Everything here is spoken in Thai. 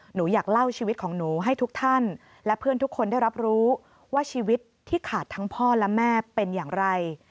หนูอยากเล่าชีวิตของหนูให้ทุกท่านและเพื่อนทุกคนได้รับรู้ว่าชีวิตที่ขาดทั้งพ่อและแม่เป็นอย่างไร